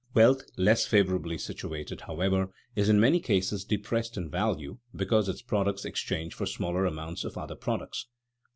Wealth less favorably situated, however, is in many cases depressed in value because its products exchange for smaller amounts of other products.